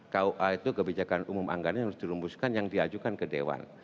kua itu kebijakan umum anggaran yang harus dirumuskan yang diajukan ke dewan